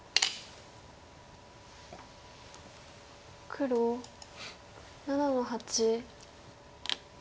黒７の八。